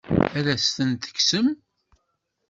Ad as-tent-tekksem?